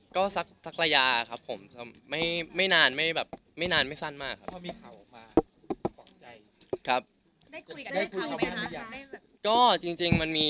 ก็สักระยะครับไม่นานไม่สั้นมากครับ